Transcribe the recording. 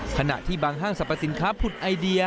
ขณะที่บางห้างสรรพสินค้าผุดไอเดีย